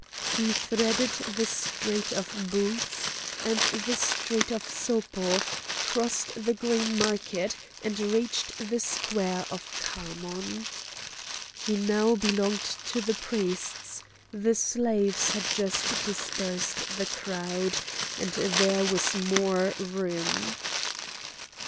He threaded the street of Boudes, and the street of Soepo, crossed the Green Market, and reached the square of Khamon. He now belonged to the priests; the slaves had just dispersed the crowd, and there was more room.